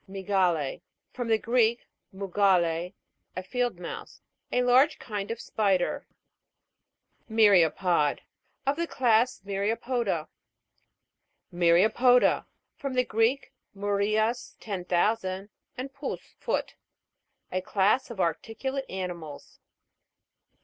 MY'GALE. From the Greek, mugale, a field mouse. A large kind of spider. MY'RIAPOD. Of the class My'ria poda. Mv'RiAPonA. From the Greek, mu rias, ten thousand, and pous, foot. A class of articulate animals.